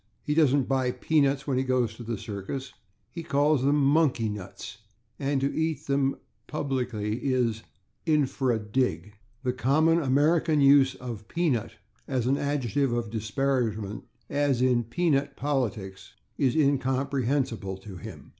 He doesn't buy /peanuts/ when he goes to the circus. He calls them /monkey nuts/, and to eat them publicly is /infra dig/. The common American use of /peanut/ as an adjective of disparagement, as in /peanut politics/, is incomprehensible to him.